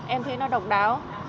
em thấy nó độc đáo